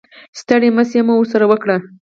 ستړې مسې مو ورسره وکړه.